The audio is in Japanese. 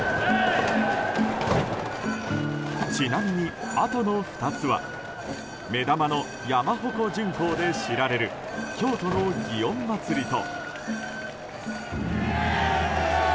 ちなみに、あとの２つは目玉の山鉾巡行で知られる京都の祇園祭と。